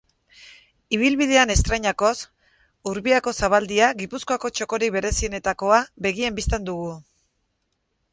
Ibilbidean estreinakoz, Urbiako zabaldia, Gipuzkoako txokorik berezienetakoa, begien bistan dugu.